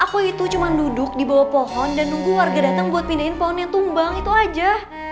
aku itu cuma duduk di bawah pohon dan nunggu warga datang buat pindahin pohon yang tumbang itu aja